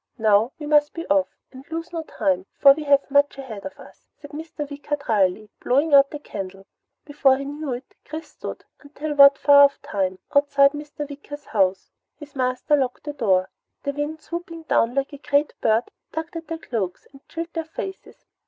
"Now we must be off and lose no time, for we have much ahead of us," said Mr. Wicker drily, blowing out the candle. Before he knew it, Chris stood until what far off time? outside Mr. Wicker's house. His master locked the door. The wind, swooping down like some great bird, tugged at their cloaks and chilled their faces.